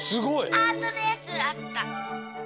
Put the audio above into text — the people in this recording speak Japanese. ハートのやつあった。